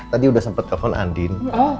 tadi udah sempet kepon andin